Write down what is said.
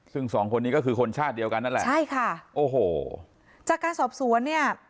ซึ่งสองคนนี้ก็คือคนชาติเดียวกันนั่นแหละใช่ค่ะโอ้โหจากการสอบสวนเนี่ย